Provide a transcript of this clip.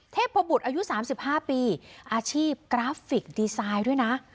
เทพบุตรอายุ๓๕ปีอาชีพกราฟิกดีไซน์ด้วยนะ